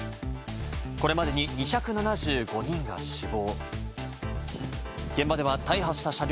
これまでに２７５人が死亡。